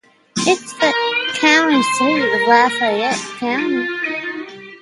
It is the county seat of Lafayette County.